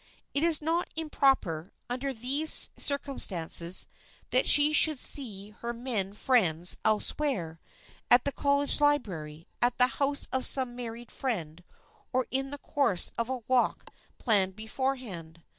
It is not improper, under these circumstances, that she should see her men friends elsewhere,—at the college library, at the house of some married friend or in the course of a walk planned beforehand.